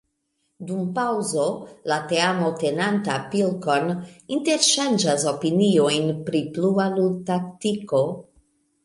Dum paŭzo, la teamo tenanta pilkon, interŝanĝas opiniojn pri plua ludtaktiko.